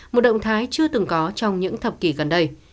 một động thái chưa từng có trong những thập kỷ gần đây